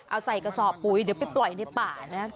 เอาใส่เกษาปุ๊บเดี๋ยวก็ไปปล่อยในป่านะ